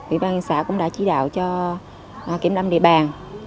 ủy ban xã cũng đã chỉ đạo cho kiểm lâm địa bàn